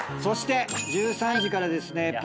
そして１３時からですね